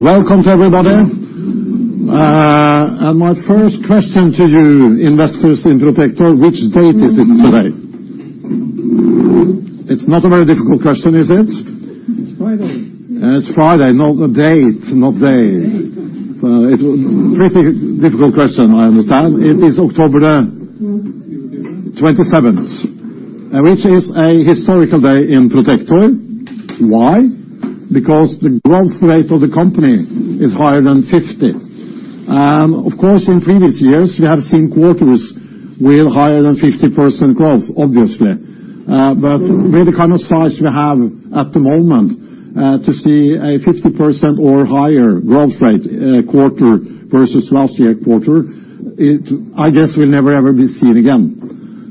Welcome to everybody. My first question to you investors in Protector, which date is it today? It's not a very difficult question, is it? It's Friday. It's Friday. No, date, not day. Date. It's a pretty difficult question, I understand. It is October 27th, which is a historical day in Protector. Why? Because the growth rate of the company is higher than 50%. Of course, in previous years, we have seen quarters with higher than 50% growth, obviously. With the kind of size we have at the moment, to see a 50% or higher growth rate quarter versus last year quarter, I guess we'll never, ever see it again.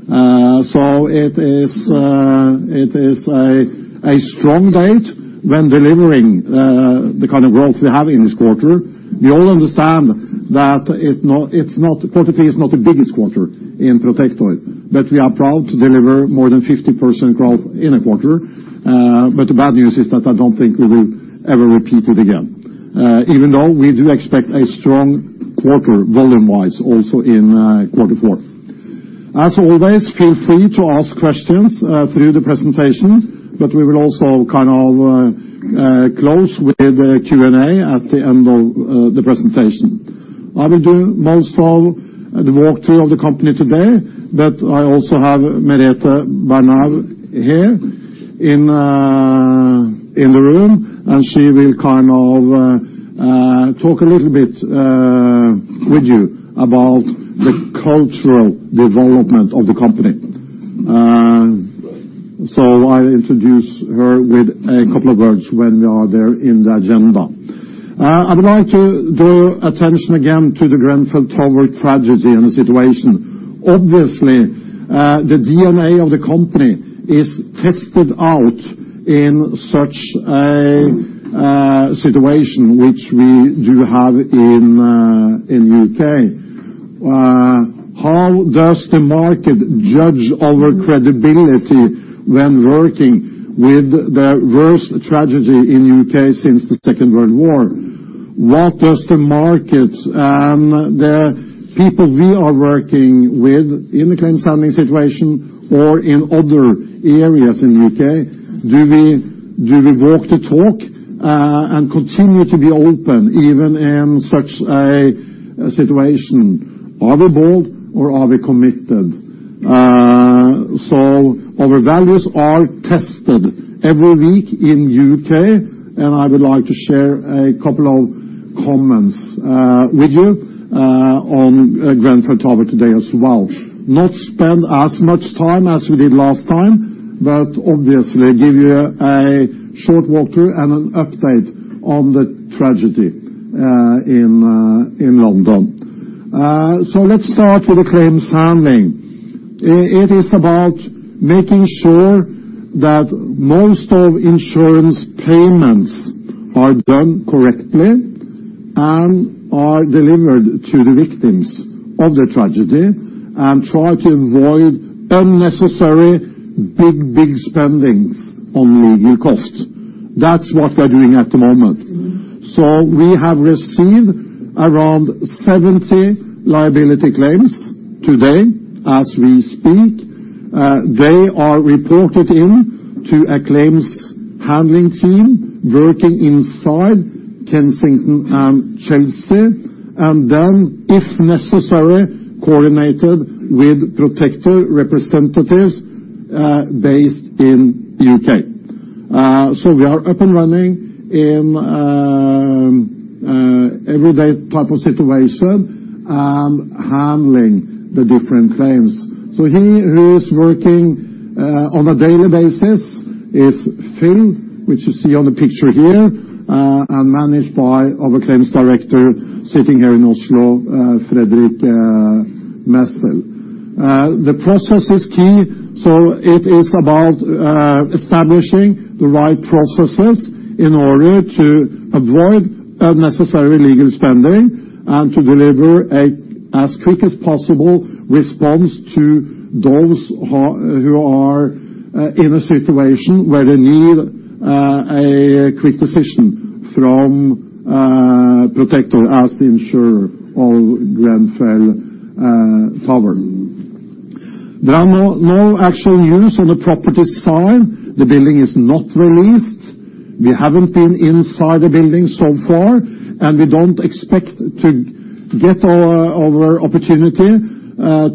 It is a strong date when delivering the kind of growth we have in this quarter. We all understand that Q3 is not the biggest quarter in Protector, we are proud to deliver more than 50% growth in a quarter. The bad news is that I don't think we will ever repeat it again, even though we do expect a strong quarter volume-wise also in Q4. As always, feel free to ask questions through the presentation, but we will also close with a Q&A at the end of the presentation. I will do most of the walkthrough of the company today, but I also have Merete Bernau here in the room, and she will talk a little bit with you about the cultural development of the company. Right. I'll introduce her with a couple of words when we are there in the agenda. I would like to draw attention again to the Grenfell Tower tragedy and the situation. Obviously, the DNA of the company is tested out in such a situation, which we do have in U.K. How does the market judge our credibility when working with the worst tragedy in U.K. since the Second World War? What does the market and the people we are working with in the claims handling situation or in other areas in U.K., do we walk the talk and continue to be open even in such a situation? Are we bold or are we committed? Our values are tested every week in U.K., and I would like to share a couple of comments with you on Grenfell Tower today as well. I will not spend as much time as we did last time, but obviously give you a short walkthrough and an update on the tragedy in London. Let's start with the claims handling. It is about making sure that most of insurance payments are done correctly and are delivered to the victims of the tragedy and try to avoid unnecessary big spendings on legal costs. That's what we're doing at the moment. We have received around 70 liability claims today as we speak. They are reported in to a claims handling team working inside Kensington & Chelsea, and then, if necessary, coordinated with Protector representatives based in U.K. We are up and running in everyday type of situation and handling the different claims. He who is working on a daily basis is Phil, which you see on the picture here, and managed by our claims Director sitting here in Oslo, Fredrik Messel. The process is key, so it is about establishing the right processes in order to avoid unnecessary legal spending and to deliver as quick as possible response to those who are in a situation where they need a quick decision from Protector as the insurer of Grenfell Tower. There are no actual news on the property side. The building is not released. We haven't been inside the building so far, and we don't expect to get our opportunity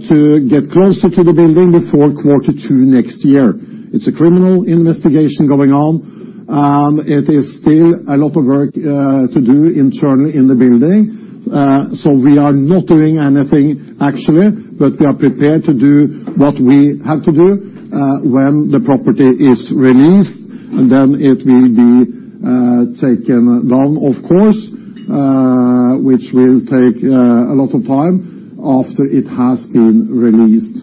to get closer to the building before quarter two next year. It's a criminal investigation going on, and it is still a lot of work to do internally in the building. We are not doing anything, actually, but we are prepared to do what we have to do when the property is released. Then it will be taken down, of course, which will take a lot of time after it has been released.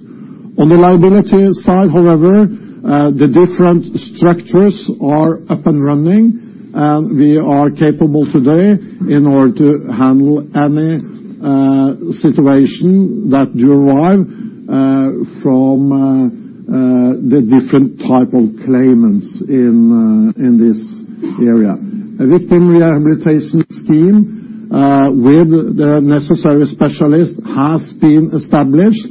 On the liability side, however, the different structures are up and running, and we are capable today in order to handle any situation that do arrive from the different type of claimants in this area. A victim rehabilitation scheme with the necessary specialist has been established,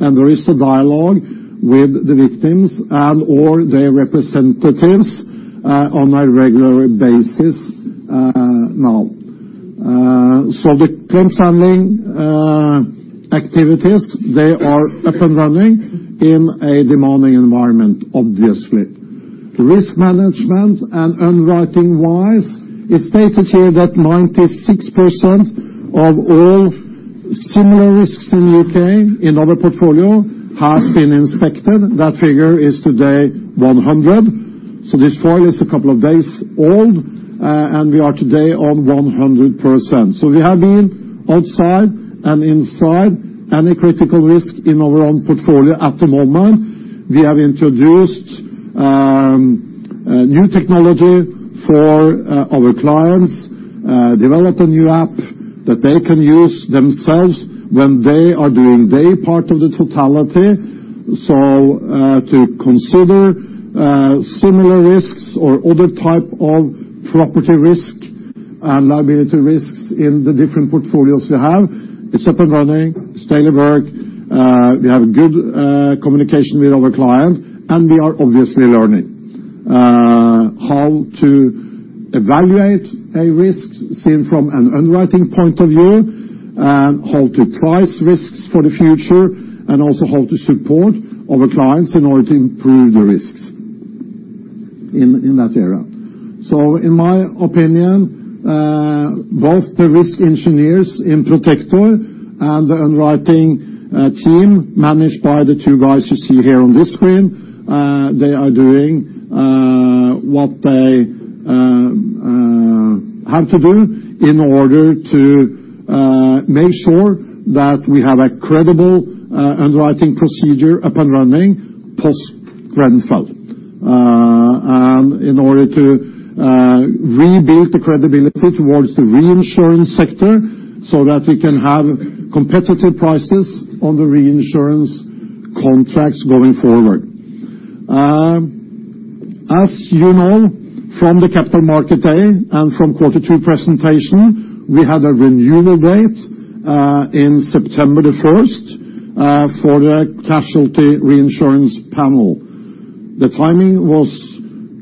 and there is a dialogue with the victims and/or their representatives on a regular basis now. The claims handling activities, they are up and running in a demanding environment, obviously. Risk management and underwriting-wise, it stated here that 96% of all similar risks in U.K. in our portfolio has been inspected. That figure is today 100%. This file is a couple of days old, and we are today on 100%. We have been outside and inside any critical risk in our own portfolio at the moment. We have introduced new technology for our clients, developed a new app that they can use themselves when they are doing their part of the totality. To consider similar risks or other type of property risk and liability risks in the different portfolios we have. It's up and running. It's daily work. We have good communication with our client, and we are obviously learning how to evaluate a risk seen from an underwriting point of view and how to price risks for the future, and also how to support our clients in order to improve the risks in that area. In my opinion, both the risk engineers in Protector and the underwriting team, managed by the two guys you see here on this screen, they are doing what they have to do in order to make sure that we have a credible underwriting procedure up and running, post-Grenfell. In order to rebuild the credibility towards the reinsurance sector so that we can have competitive prices on the reinsurance contracts going forward. As you know from the Capital Market Day and from quarter two presentation, we had a renewal date in September 1st for the casualty reinsurance panel. The timing was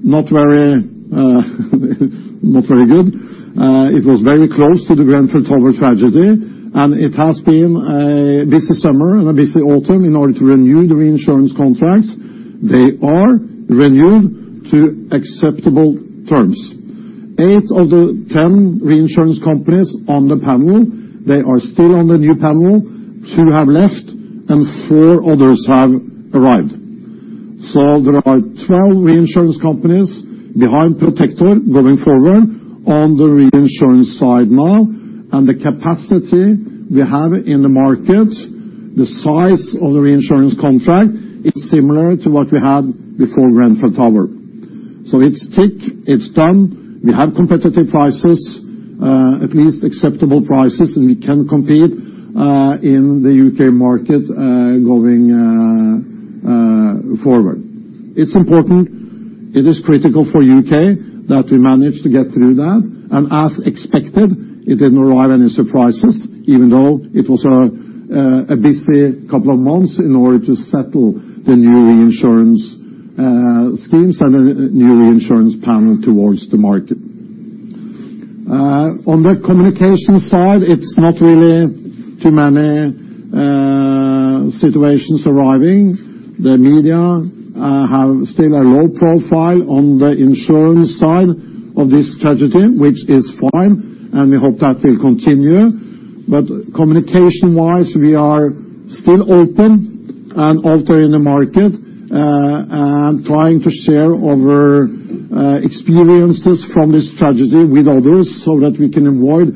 not very good. It was very close to the Grenfell Tower tragedy, and it has been a busy summer and a busy autumn in order to renew the reinsurance contracts. They are renewed to acceptable terms. Eight of the 10 reinsurance companies on the panel, they are still on the new panel. Two have left and four others have arrived. There are 12 reinsurance companies behind Protector going forward on the reinsurance side now. The capacity we have in the market, the size of the reinsurance contract, is similar to what we had before Grenfell Tower. It's tick. It's done. We have competitive prices, at least acceptable prices, and we can compete in the U.K. market going forward. It's important. It is critical for U.K. that we manage to get through that. As expected, it didn't arrive any surprises, even though it was a busy couple of months in order to settle the new reinsurance schemes and new reinsurance panel towards the market. On the communication side, it's not really too many situations arriving. The media have still a low profile on the insurance side of this tragedy, which is fine, and we hope that will continue. Communication-wise, we are still open and out there in the market and trying to share our experiences from this tragedy with others so that we can avoid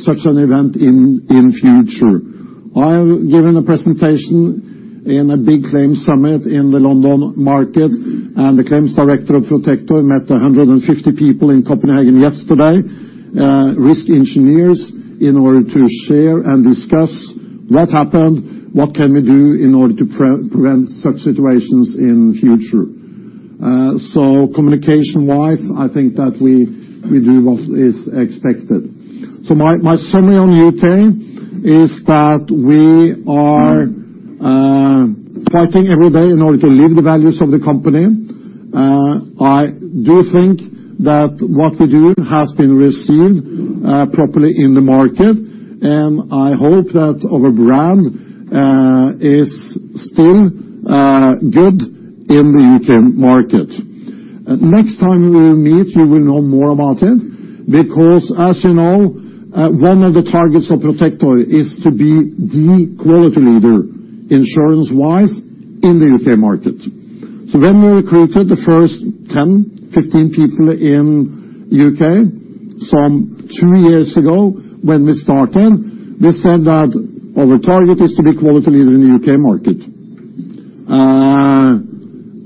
such an event in future. I have given a presentation in a big claims summit in the London market, and the claims director of Protector met 150 people in Copenhagen yesterday, risk engineers, in order to share and discuss what happened, what can we do in order to prevent such situations in future. Communication-wise, I think that we do what is expected. My summary on U.K. is that we are fighting every day in order to live the values of the company. I do think that what we do has been received properly in the market, and I hope that our brand is still good in the U.K. market. Next time we will meet, you will know more about it, because as you know, one of the targets of Protector is to be the quality leader insurance-wise in the U.K. market. When we recruited the first 10, 15 people in U.K. some two years ago when we started, we said that our target is to be quality leader in the U.K. market.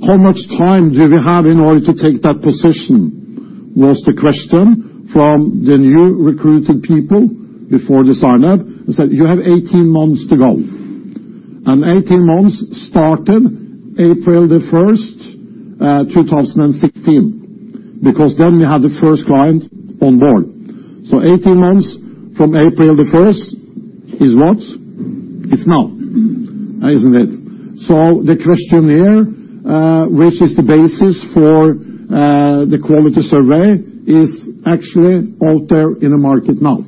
"How much time do we have in order to take that position?" was the question from the new recruited people before this ILAB. I said, "You have 18 months to go." 18 months started April 1, 2016, because then we had the first client on board. 18 months from April the first is what? It's now, isn't it? The questionnaire, which is the basis for the quality survey, is actually out there in the market now.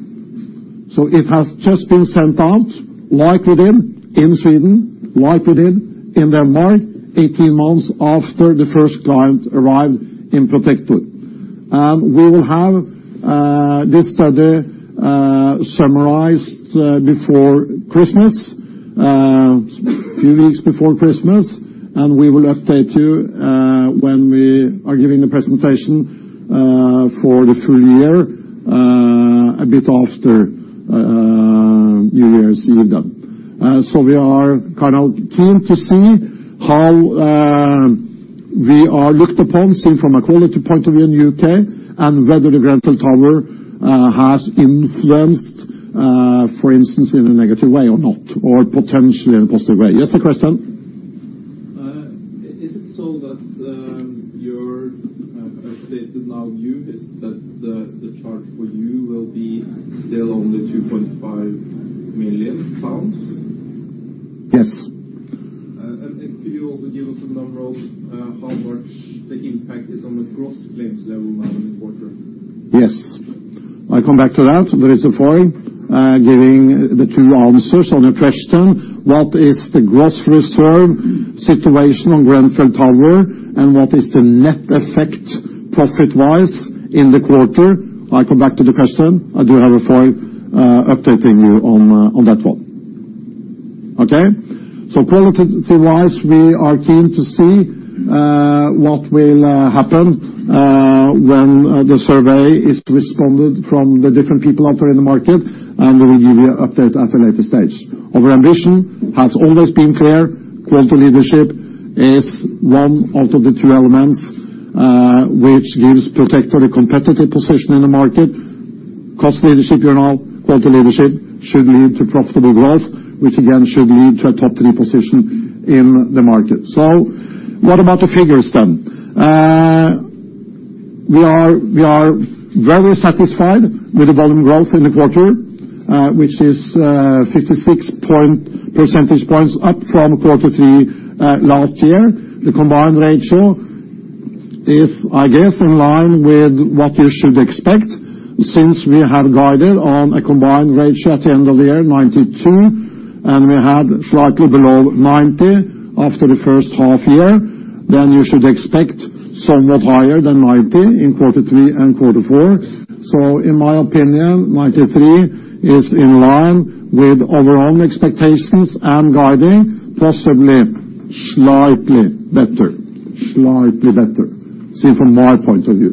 It has just been sent out, like we did in Sweden, like we did in Denmark, 18 months after the first client arrived in Protector. We will have this study summarized before Christmas, a few weeks before Christmas, and we will update you when we are giving the presentation for the full year a bit after New Year's Eve. We are keen to see how we are looked upon, say, from a quality point of view in the U.K., and whether the Grenfell Tower has influenced, for instance, in a negative way or not, or potentially in a positive way. Yes, a question? Is it so that your statement now is that the charge for you will be still only 2.5 million pounds? Yes. Could you also give us a number of how much the impact is on the gross claims level now in the quarter? Yes. I come back to that. There is a foil giving the two answers on the question, what is the gross reserve situation on Grenfell Tower, and what is the net effect profit-wise in the quarter? I come back to the question. I do have a foil updating you on that one. Okay? Quality-wise, we are keen to see what will happen when the survey is responded from the different people out there in the market, and we will give you an update at a later stage. Our ambition has always been clear. Quality leadership is one out of the two elements which gives Protector a competitive position in the market. Cost leadership, you know, quality leadership should lead to profitable growth, which again should lead to a top three position in the market. What about the figures then? We are very satisfied with the volume growth in the quarter, which is 56 percentage points up from quarter three last year. The combined ratio is, I guess, in line with what you should expect, since we have guided on a combined ratio at the end of the year, 92, and we had slightly below 90 after the first half year. You should expect somewhat higher than 90 in quarter three and quarter four. In my opinion, 93 is in line with overall expectations and guiding, possibly slightly better. Slightly better, say from my point of view,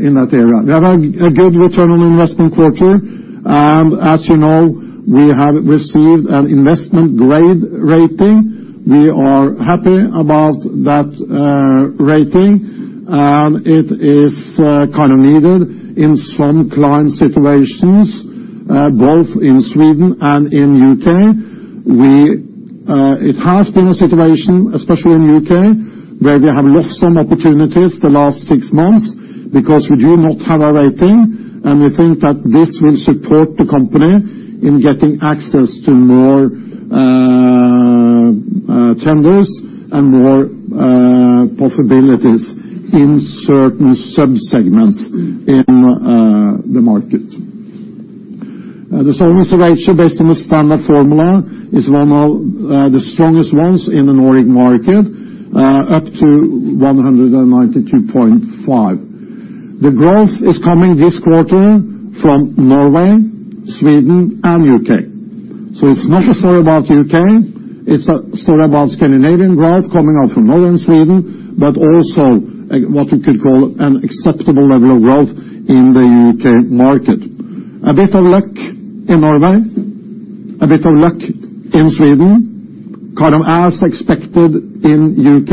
in that area. We have a good return on investment quarter. As you know, we have received an investment grade rating. We are happy about that rating, and it is kind of needed in some client situations both in Sweden and in U.K. It has been a situation, especially in the U.K., where we have lost some opportunities the last six months because we do not have a rating, and we think that this will support the company in getting access to more tenders and more possibilities in certain subsegments in the market. The solvency ratio based on the standard formula is one of the strongest ones in the Nordic market, up to 192.5. The growth is coming this quarter from Norway, Sweden and U.K. It's not a story about U.K., it's a story about Scandinavian growth coming out from Northern Sweden, but also what you could call an acceptable level of growth in the U.K. market. A bit of luck in Norway, a bit of luck in Sweden, kind of as expected in U.K.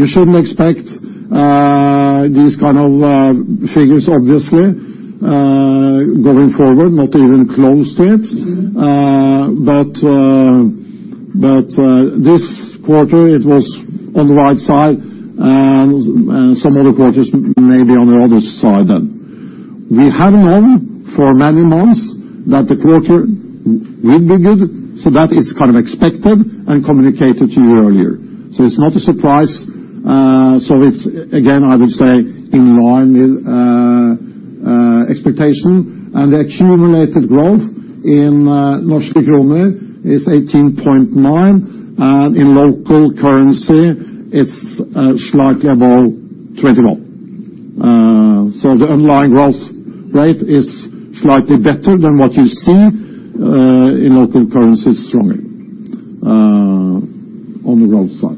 You shouldn't expect these kind of figures obviously going forward, not even close to it. This quarter it was on the right side, and some other quarters may be on the other side then. We have known for many months that the quarter will be good, that is kind of expected and communicated to you earlier. It's not a surprise. It's, again, I would say, in line with expectation. The accumulated growth in NOK is 18.9%, and in local currency it's slightly above 21%. The underlying growth rate is slightly better than what you see in local currency strongly on the growth side.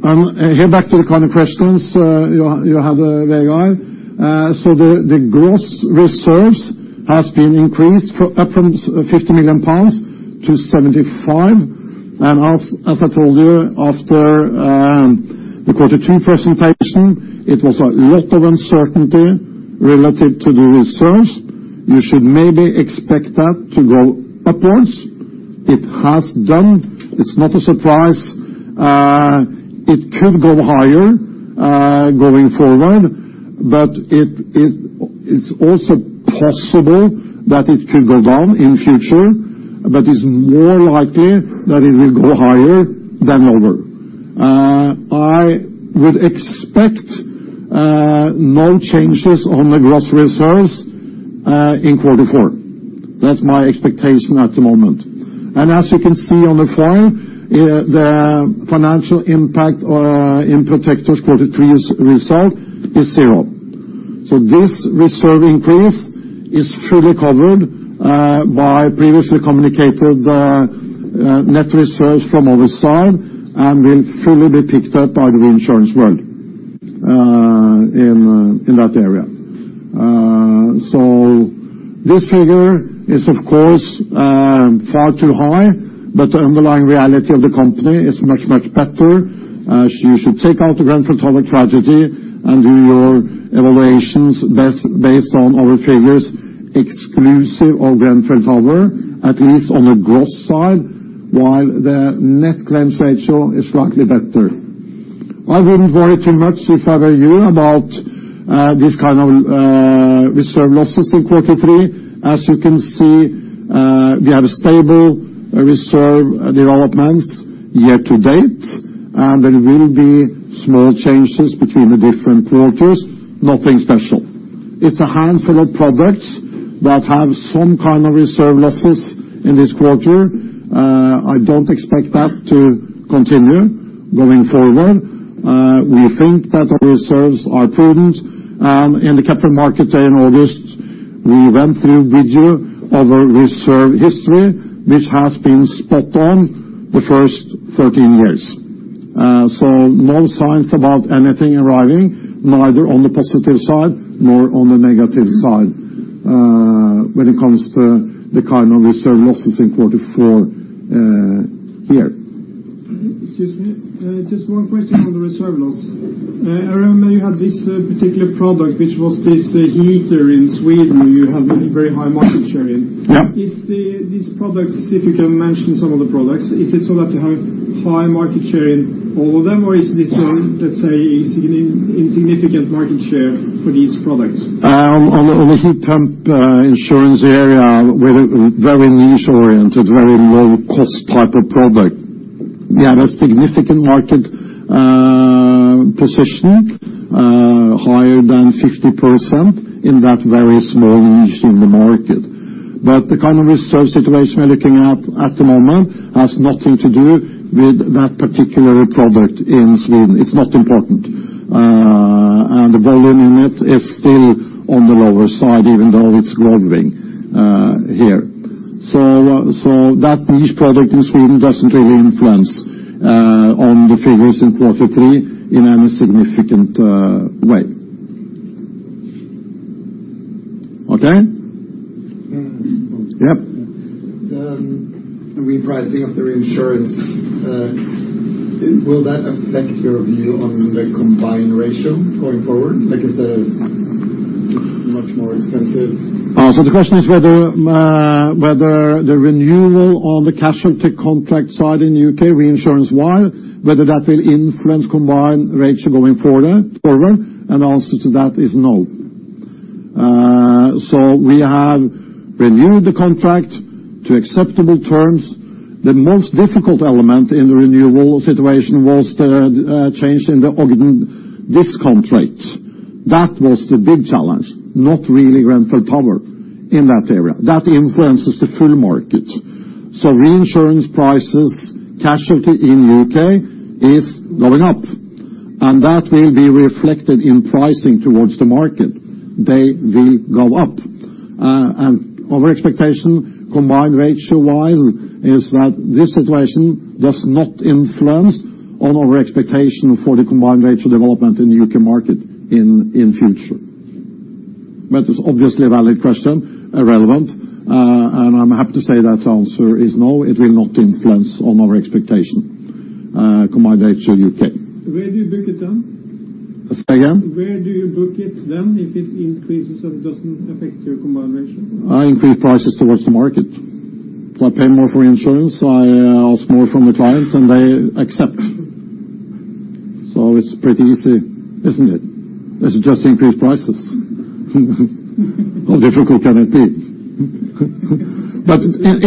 Here back to the kind of questions you had there, Guy. The gross reserves has been increased up from 50 million pounds to 75 million. As I told you after the quarter two presentation, it was a lot of uncertainty relative to the reserves. You should maybe expect that to go upwards. It has done. It's not a surprise. It could go higher, going forward. It's also possible that it could go down in future, but it's more likely that it will go higher than lower. I would expect no changes on the gross reserves in quarter four. That's my expectation at the moment. As you can see on the slide, the financial impact in Protector Forsikring's quarter three's result is 0. This reserve increase is fully covered by previously communicated net reserves from overseas and will fully be picked up by the reinsurance world in that area. This figure is of course, far too high, but the underlying reality of the company is much, much better. You should take out the Grenfell Tower tragedy and do your evaluations based on our figures exclusive of Grenfell Tower, at least on the gross side, while the net claims ratio is slightly better. I wouldn't worry too much if I were you about this kind of reserve losses in quarter three. As you can see, we have a stable reserve developments year-to-date, and there will be small changes between the different quarters. Nothing special. It's a handful of products that have some kind of reserve losses in this quarter. I don't expect that to continue going forward. We think that our reserves are prudent. In the capital market day in August, we went through with you our reserve history, which has been spot on the first 13 years. No signs about anything arriving, neither on the positive side nor on the negative side, when it comes to the kind of reserve losses in quarter four here. Excuse me. Just one question on the reserve loss. I remember you had this particular product, which was this heat pump in Sweden you have a very high market share in. Yeah. These products, if you can mention some of the products, is it so that you have high market share in all of them or is this one, let's say, a significant market share for these products? On the heat pump insurance area, we're very niche oriented, very low cost type of product. We have a significant market position, higher than 50% in that very small niche in the market. The kind of reserve situation we are looking at the moment, has nothing to do with that particular product in Sweden. It's not important. The volume in it is still on the lower side, even though it's growing here. That niche product in Sweden doesn't really influence on the figures in quarter three in any significant way. Okay? Yep. The repricing of the reinsurance, will that affect your view on the combined ratio going forward? Like if they're much more expensive. The question is whether the renewal on the casualty contract side in the U.K., reinsurance one, whether that will influence combined ratio going forward. The answer to that is no. We have renewed the contract to acceptable terms. The most difficult element in the renewal situation was the change in the Ogden discount rate. That was the big challenge, not really Grenfell Tower in that area. That influences the full market. Reinsurance prices, casualty in U.K. is going up, and that will be reflected in pricing towards the market. They will go up. Our expectation combined ratio-wise, is that this situation does not influence on our expectation for the combined ratio development in the U.K. market in future. It's obviously a valid question, relevant. I'm happy to say that answer is no, it will not influence on our expectation, combined ratio U.K. Where do you book it then? Say again. Where do you book it then if it increases and doesn't affect your combined ratio? I increase prices towards the market. If I pay more for insurance, I ask more from the client, and they accept. It's pretty easy, isn't it? It's just increased prices. How difficult can it be?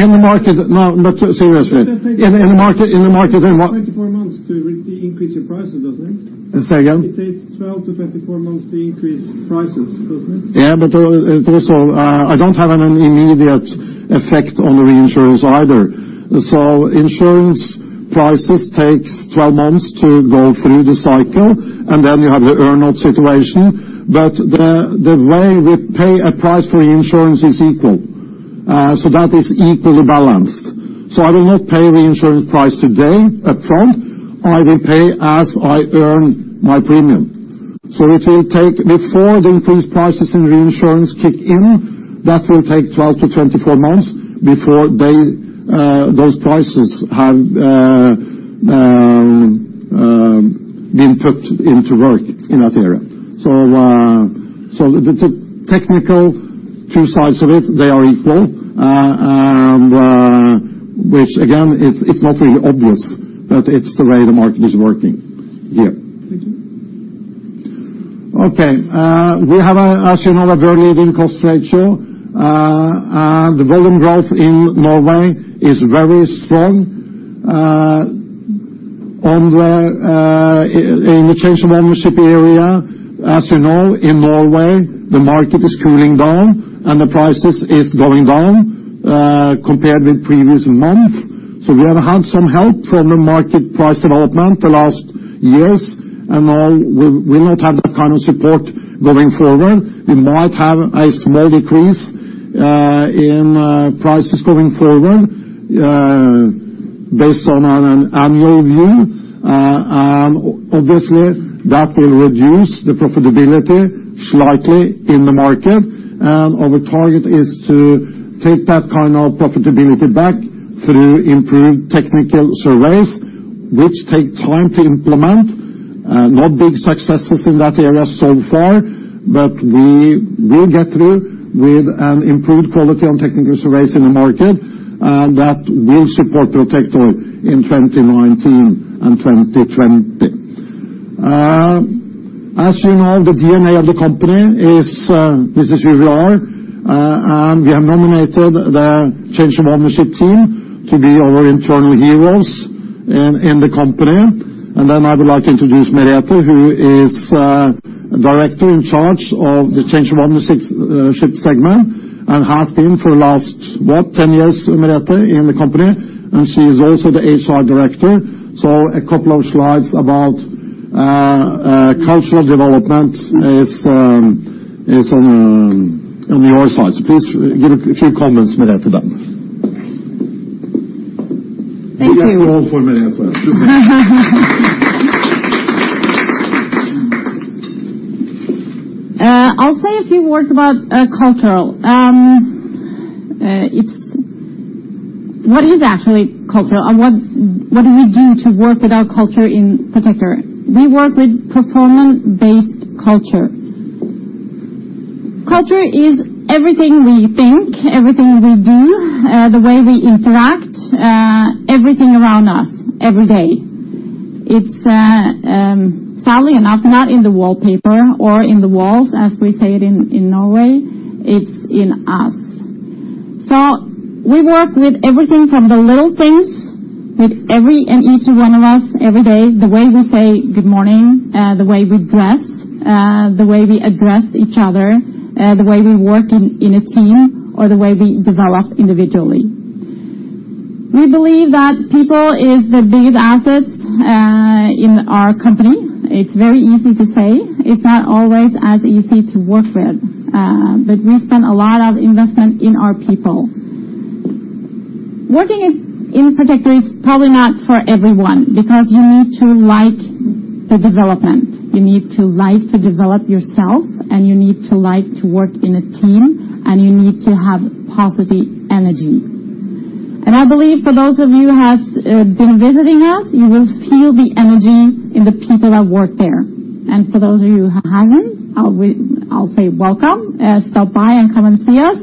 In the market No, seriously. In the market- It takes 12-24 months to increase your prices, doesn't it? Say again. It takes 12-24 months to increase prices, doesn't it? I don't have an immediate effect on the reinsurance either. Insurance prices takes 12 months to go through the cycle, and then you have the earn out situation. The way we pay a price for reinsurance is equal. That is equally balanced. I will not pay reinsurance price today upfront, I will pay as I earn my premium. It will take before the increased prices in reinsurance kick in, that will take 12-24 months before those prices have been put into work in that area. The technical two sides of it, they are equal, which again, it's hopefully obvious that it's the way the market is working here. Thank you. We have a, as you know, a very leading cost ratio. The volume growth in Norway is very strong. In the Change of Ownership area, as you know, in Norway, the market is cooling down and the prices is going down compared with previous month. We have had some help from the market price development the last years, and now we will not have that kind of support going forward. We might have a small decrease in prices going forward based on an annual view. Obviously, that will reduce the profitability slightly in the market. Our target is to take that kind of profitability back through improved technical surveys, which take time to implement. No big successes in that area so far, but we will get through with an improved quality on technical surveys in the market, and that will support Protector in 2019 and 2020. As you know, the DNA of the company is this is who we are. We have nominated the Change of Ownership team to be our internal heroes in the company. I would like to introduce Merete, who is director in charge of the Change of Ownership segment and has been for the last, what, 10 years, Merete, in the company, and she is also the HR director. A couple of slides about cultural development is on your side. Please give a few comments, Merete. Thank you. We have to all for Merete then. I'll say a few words about cultural. What is actually cultural? What do we do to work with our culture in Protector? We work with performance-based culture. Culture is everything we think, everything we do, the way we interact, everything around us every day. It's, funnily enough, not in the wallpaper or in the walls, as we say it in Norway. It's in us. We work with everything from the little things with every and each one of us every day, the way we say good morning, the way we dress, the way we address each other, the way we work in a team, or the way we develop individually. We believe that people is the biggest asset in our company. It's very easy to say. It's not always as easy to work with. We spend a lot of investment in our people. Working in Protector is probably not for everyone because you need to like the development. You need to like to develop yourself, and you need to like to work in a team, and you need to have positive energy. I believe for those of you who have been visiting us, you will feel the energy in the people that work there. For those of you who haven't, I'll say welcome. Stop by and come and see us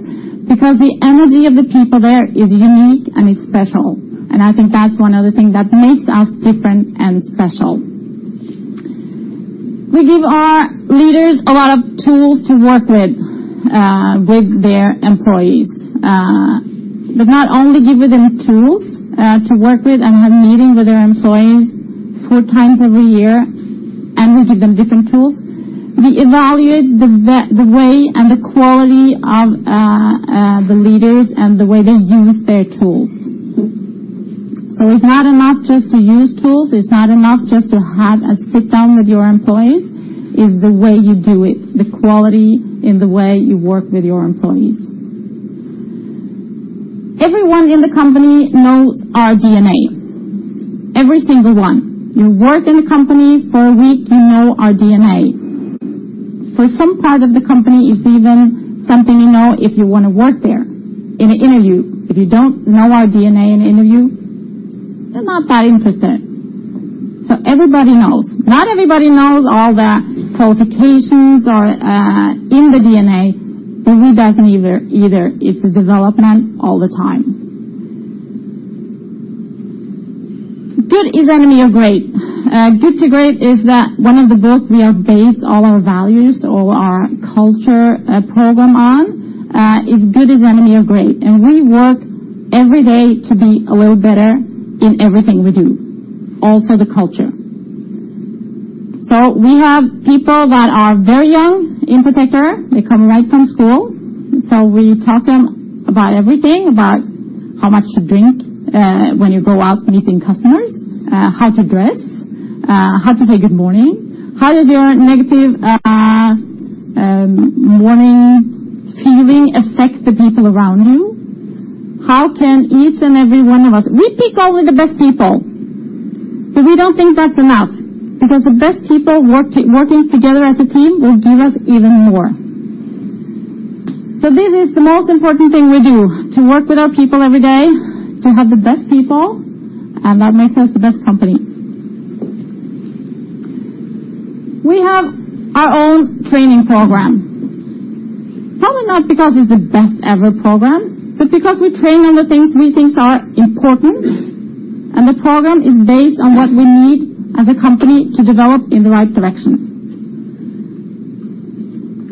because the energy of the people there is unique and it's special. I think that's one of the things that makes us different and special. We give our leaders a lot of tools to work with their employees. Not only give them tools to work with and have meetings with their employees four times every year, and we give them different tools. We evaluate the way and the quality of the leaders and the way they use their tools. It's not enough just to use tools. It's not enough just to have a sit down with your employees. It's the way you do it, the quality in the way you work with your employees. Everyone in the company knows our DNA. Every single one. You work in the company for a week, you know our DNA. For some parts of the company, it's even something you know if you want to work there in an interview. If you don't know our DNA in an interview, we're not that interested. Everybody knows. Not everybody knows all the qualifications or in the DNA, and we don't either. It's a development all the time. Good is the enemy of great. Good to Great is one of the books we have based all our values, all our culture program on, is Good Is the Enemy of Great. We work every day to be a little better in everything we do. Also the culture. We have people that are very young in Protector. They come right from school. We talk to them about everything, about how much to drink when you go out meeting customers. How to dress, how to say good morning. How does your negative morning feeling affect the people around you? How can each and every one of us? We pick only the best people. We don't think that's enough, because the best people working together as a team will give us even more. This is the most important thing we do, to work with our people every day, to have the best people, and that makes us the best company. We have our own training program. Probably not because it's the best ever program, but because we train on the things we think are important, and the program is based on what we need as a company to develop in the right direction.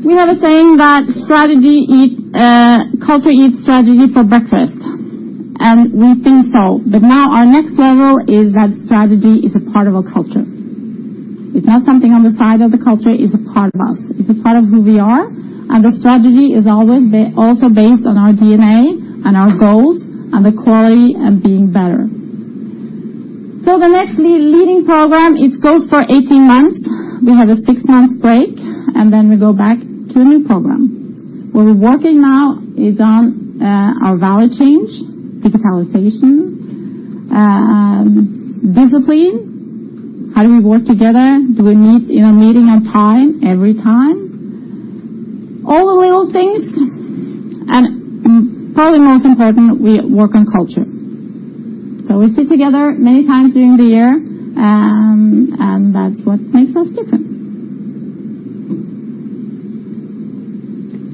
We have a saying that culture eats strategy for breakfast, and we think so. Now our next level is that strategy is a part of our culture. It's not something on the side of the culture, it's a part of us. It's a part of who we are, and the strategy is also based on our DNA and our goals and the quality and being better. The next leading program, it goes for 18 months. We have a six-month break, and then we go back to a new program. Where we're working now is on our value change, digitalization, discipline. How do we work together? Do we meet in a meeting on time, every time? All the little things. Probably most important, we work on culture. We sit together many times during the year, and that's what makes us different.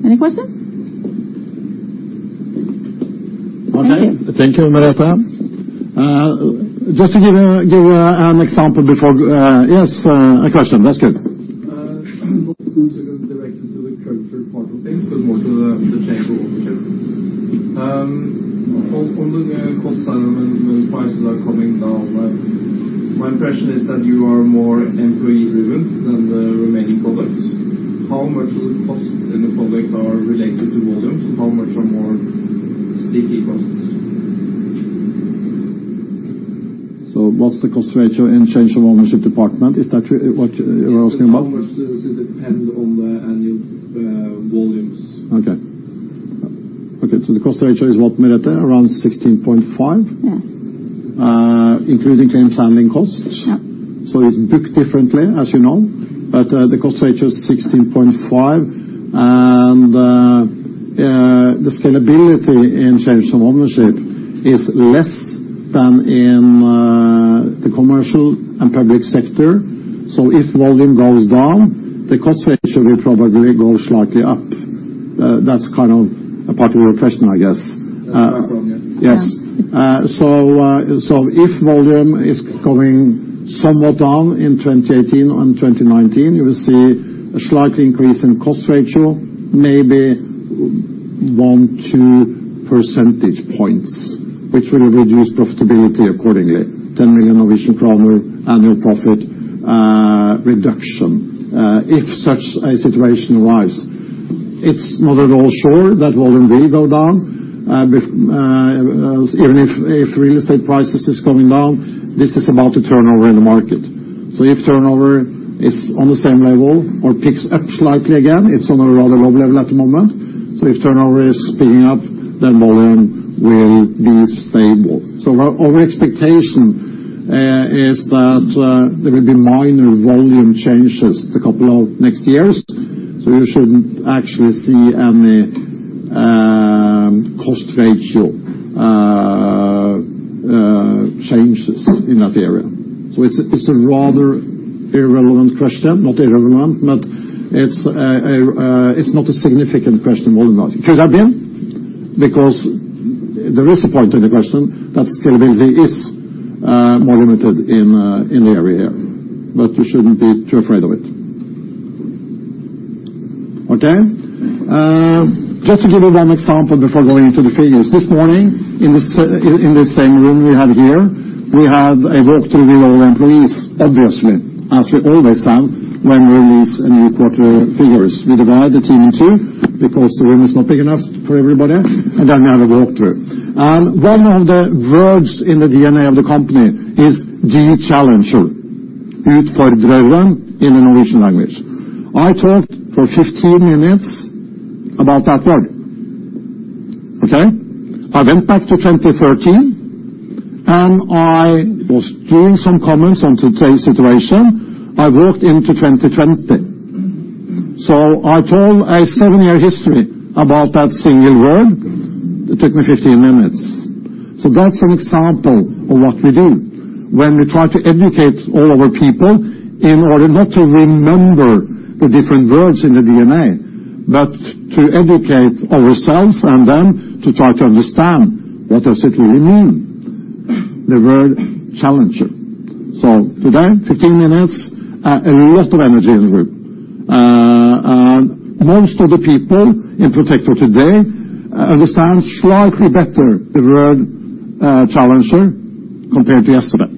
Any question? Okay. Thank you, Merete. Just to give an example before Yes, a question. That's good. To go directly to the culture part of things than to the Change of Ownership. On the cost side when prices are coming down, my impression is that you are more employee-driven than the remaining products. How much of the cost in the product are related to volumes? How much are more sticky costs? What's the cost ratio in Change of Ownership department? Is that what you're asking about? Yes, how much does it depend on the annual volumes? Okay. The cost ratio is what, Merete? Around 16.5? Yes. Including change handling costs. Yep. It's booked differently, as you know. The cost ratio is 16.5, and the scalability in Change of Ownership is less than in the commercial and public sector. If volume goes down, the cost ratio will probably go slightly up. That's kind of a part of your question, I guess. That's my problem, yes. Yes. Yeah. If volume is going somewhat down in 2018 and 2019, you will see a slight increase in cost ratio, maybe one, two percentage points, which will reduce profitability accordingly. 10 million Norwegian kroner annual profit reduction, if such a situation arise. It's not at all sure that volume will go down. Even if real estate prices is going down, this is about the turnover in the market. If turnover is on the same level or picks up slightly again, it's on a rather low level at the moment. If turnover is picking up, then volume will be stable. Our expectation is that there will be minor volume changes the couple of next years. You shouldn't actually see any cost ratio changes in that area. It's a rather irrelevant question. Not irrelevant, but it's not a significant question more than that. It could have been, because there is a point in the question that scalability is more limited in the area. You shouldn't be too afraid of it. Okay. Just to give one example before going into the figures. This morning, in this same room we have here, we have a walkthrough with all employees, obviously, as we always have when we release new quarter figures. We divide the team in two because the room is not big enough for everybody, and then we have a walkthrough. And one of the words in the DNA of the company is the challenger. Utfordreren in the Norwegian language. I talked for 15 minutes about that word. Okay. I went back to 2013, and I was doing some comments on today's situation. I walked into 2020. I told a seven-year history about that single word. It took me 15 minutes. That's an example of what we do when we try to educate all our people in order not to remember the different words in the DNA, but to educate ourselves and them to try to understand what does it really mean, the word challenger. Today, 15 minutes, a lot of energy in the room. Most of the people in Protector today understand slightly better the word challenger compared to yesterday,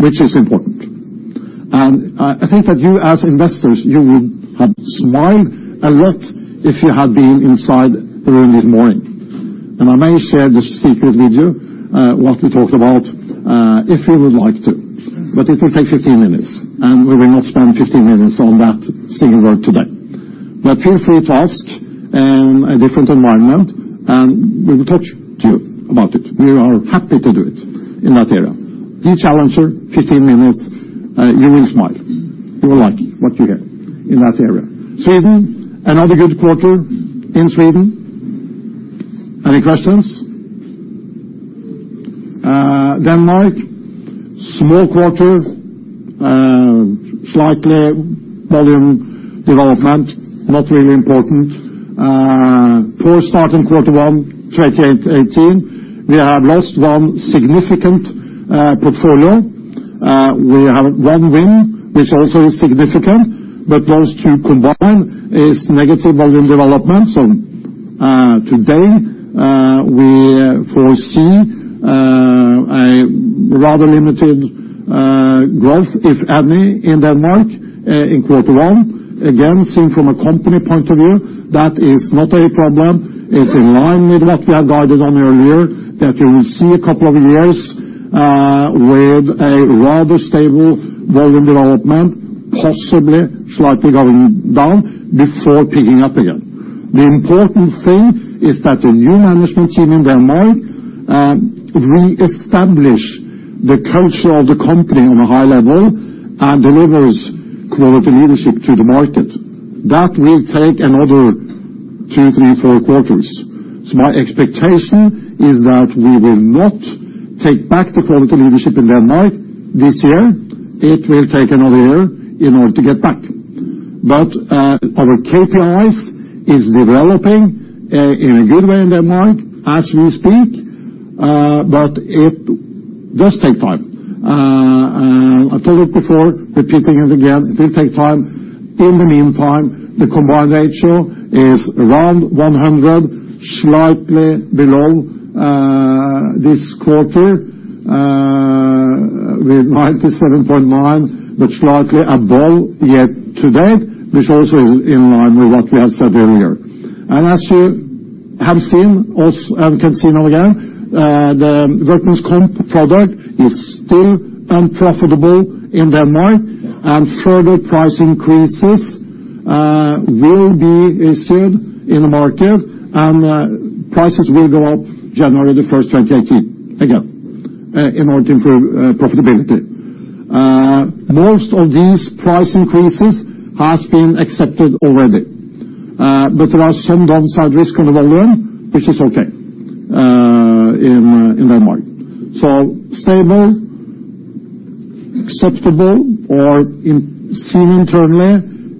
which is important. I think that you as investors, you would have smiled a lot if you had been inside the room this morning. And I may share this secret with you, what we talked about, if you would like to. But it will take 15 minutes, and we will not spend 15 minutes on that single word today. But feel free to ask in a different environment, and we will talk to you about it. We are happy to do it in that area. The challenger, 15 minutes, you will smile. You will like what you hear in that area. Sweden, another good quarter in Sweden. Any questions? Denmark, small quarter, slightly volume development, not really important. Poor start in quarter one 2018. We have lost one significant portfolio. We have one win, which also is significant, but those two combined is negative volume development. Today, we foresee a rather limited growth, if any, in Denmark in quarter one. Again, seen from a company point of view, that is not a problem. It's in line with what we have guided on earlier, that you will see a couple of years with a rather stable volume development, possibly slightly going down before picking up again. The important thing is that the new management team in Denmark reestablish the culture of the company on a high level and delivers quality leadership to the market. That will take another two, three, four quarters. My expectation is that we will not take back the quality leadership in Denmark this year. It will take another year in order to get back. Our KPIs is developing in a good way in Denmark as we speak, it does take time. I told it before, repeating it again, it will take time. In the meantime, the combined ratio is around 100, slightly below this quarter, with 97.9, slightly above year to date, which also is in line with what we have said earlier. As you have seen, us, and can see now again, the Workers' Comp product is still unprofitable in Denmark, further price increases will be issued in the market, prices will go up January 1st, 2018 again, in order for profitability. Most of these price increases has been accepted already. There are some downside risk on the volume, which is okay, in Denmark. Stable, acceptable or seen internally,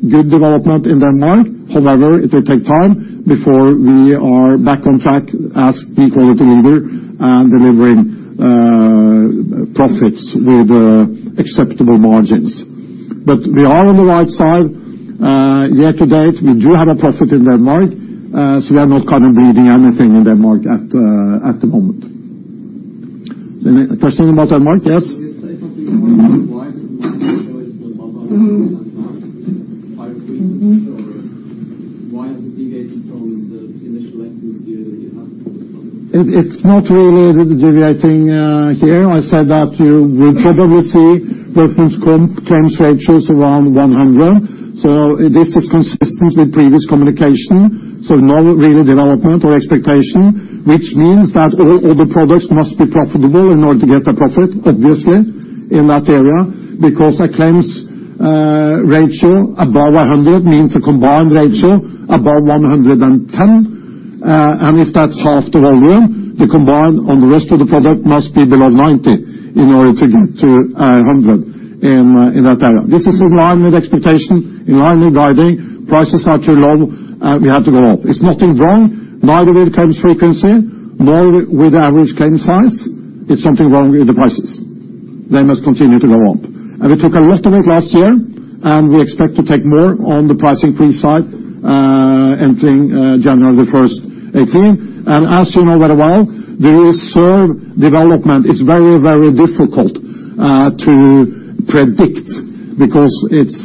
good development in Denmark. However, it will take time before we are back on track as the quality leader and delivering profits with acceptable margins. We are on the right side. Year to date, we do have a profit in Denmark, so we are not current bleeding anything in Denmark at the moment. Any question about Denmark? Yes. Could you say something more about why the combined ratio is above 100 in Denmark? Higher frequencies or why has it deviated from the initial estimates you had for this product? It's not really deviating here. I said that you will probably see Workers' Comp claims ratios around 100. This is consistent with previous communication. No real development or expectation, which means that all other products must be profitable in order to get a profit, obviously, in that area, because a claims ratio above 100 means a combined ratio above 110. If that's half the volume, the combined on the rest of the product must be below 90 in order to get to 100 in that area. This is in line with expectation, in line with guiding. Prices are too low, and we have to go up. It's nothing wrong, neither with claims frequency, nor with the average claim size. It's something wrong with the prices. They must continue to go up. We took a lot of it last year, we expect to take more on the pricing fee side, entering January 1, 2018. As you know very well, the reserve development is very, very difficult to predict because it's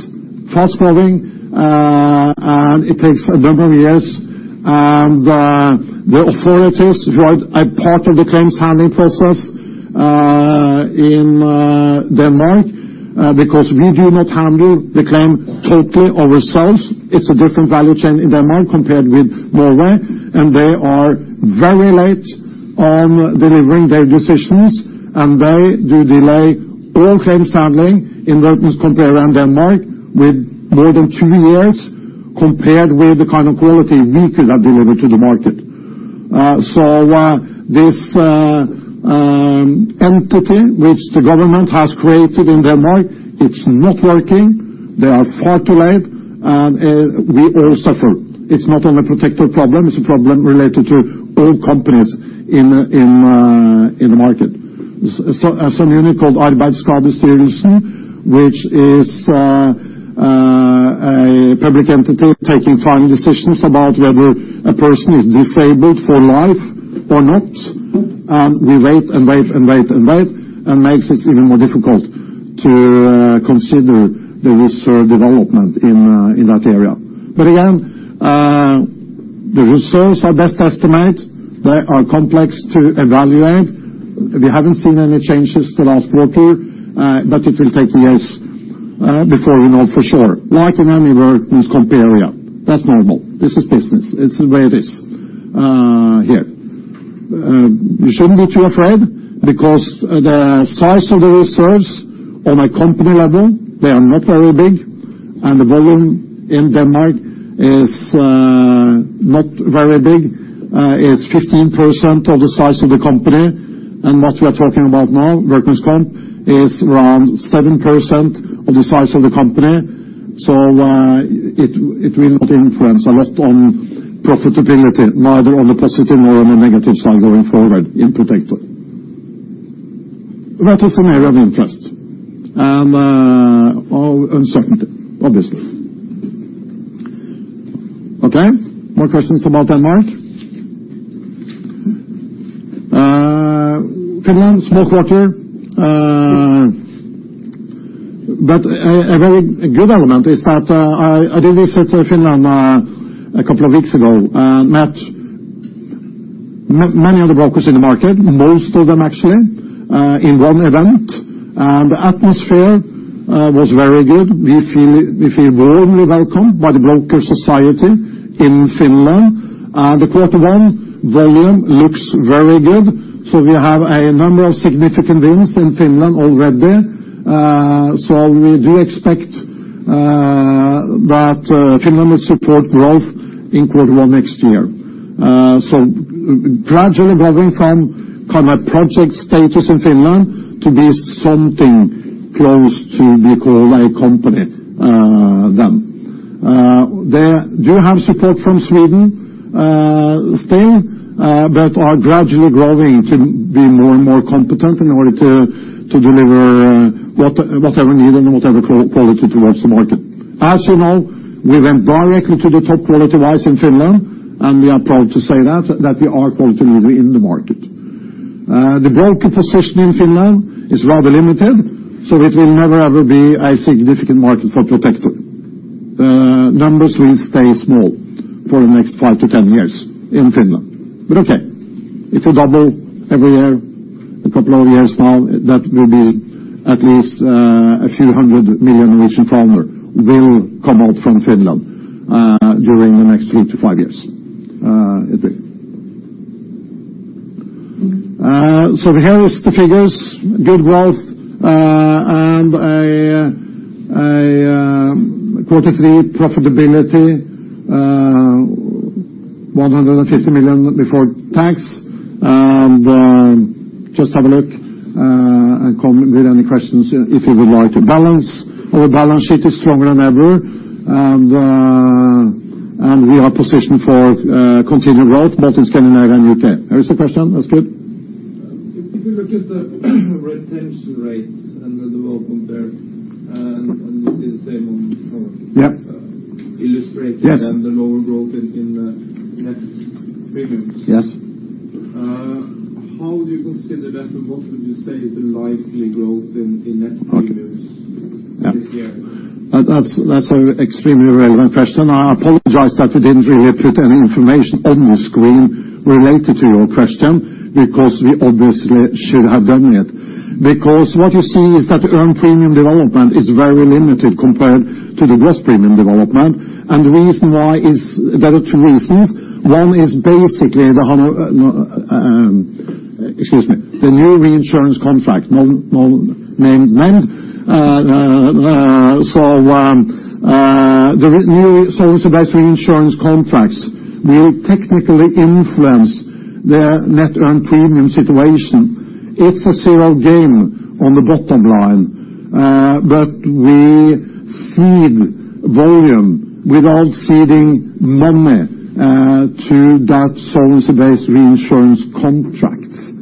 fast-moving, and it takes a number of years. The authorities who are a part of the claims handling process in Denmark, because we do not handle the claim totally ourselves. It's a different value chain in Denmark compared with Norway, and they are very late on delivering their decisions, they do delay all claims handling in Workers' Comp around Denmark with more than 2 years compared with the kind of quality we could have delivered to the market. This entity which the government has created in Denmark, it's not working. They are far too late. We all suffer. It's not only a Protector problem. It's a problem related to all companies in the market. So a unit called Arbejdsskadestyrelsen, which is a public entity taking final decisions about whether a person is disabled for life or not. We wait and wait. It makes it even more difficult to consider the research development in that area. Again, the results are best estimate. They are complex to evaluate. We haven't seen any changes the last quarter, but it will take years before we know for sure, like in any Workers' Comp area. That's normal. This is business. This is the way it is here. You shouldn't be too afraid because the size of the reserves on a company level, they are not very big, and the volume in Denmark is not very big. It is 15% of the size of the company. What we are talking about now, Workers' Comp, is around 7% of the size of the company. It will not influence a lot on profitability, neither on the positive nor on the negative side going forward in Protector. It is an area of interest and uncertainty, obviously. Okay. More questions about Denmark? Finland, small quarter. A very good element is that I did visit Finland a couple of weeks ago and met many of the brokers in the market, most of them actually, in one event. The atmosphere was very good. We feel warmly welcomed by the broker society in Finland. The quarter one volume looks very good. We have a number of significant wins in Finland already. We do expect that Finland will support growth in quarter one next year. Gradually going from project status in Finland to be something close to being called a company then. They do have support from Sweden still, but are gradually growing to be more and more competent in order to deliver whatever needed and whatever quality towards the market. You know, we went directly to the top quality wise in Finland, we are proud to say that we are quality leader in the market. The broker position in Finland is rather limited, it will never, ever be a significant market for Protector. Numbers will stay small for the next 5-10 years in Finland. Okay, if you double every year, a couple of years now, that will be at least a few hundred million NOK will come out from Finland during the next 3-5 years. It will. Here is the figures. Good growth and a quarter three profitability, NOK 150 million before tax. Just have a look and come with any questions if you would like. Our balance sheet is stronger than ever, we are positioned for continued growth both in Scandinavia and U.K. There is a question. That's good. If you look at the retention rates and the development there, you see the same on the chart. Yes Illustrated the lower growth in the net premiums. Yes. How would you consider that, what would you say is the likely growth in net premiums this year? That's an extremely relevant question. I apologize that we didn't really put any information on the screen related to your question, because we obviously should have done it. What you see is that earned premium development is very limited compared to the gross premium development. The reason why is there are two reasons. One is basically the new reinsurance contract, not named. The new service-based reinsurance contracts will technically influence the net earned premium situation. It's a zero game on the bottom line. We cede volume without ceding money to that service-based reinsurance contract.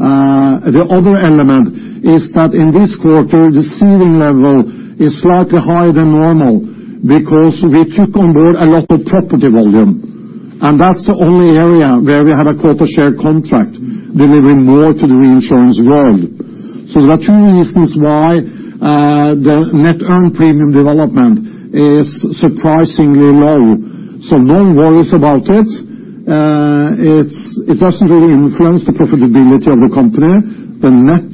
The other element is that in this quarter, the ceding level is slightly higher than normal because we took on board a lot of property volume, and that's the only area where we had a quota share reinsurance delivering more to the reinsurance world. There are two reasons why the net earned premium development is surprisingly low. No worries about it. It doesn't really influence the profitability of the company. The net